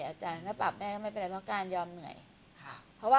กังก็จะทำงานเพราะกังก็ทำหนักมาตั้งแต่แรกอยู่แล้ว